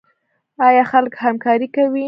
آیا خلک همکاري کوي؟